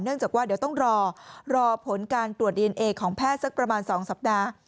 จากว่าเดี๋ยวต้องรอรอผลการตรวจดีเอนเอของแพทย์สักประมาณ๒สัปดาห์